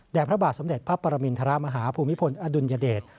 พระบาทสมเด็จพระปรมินทรมาฮาภูมิพลอดุลยเดช